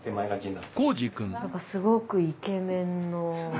なんかすごくイケメンの。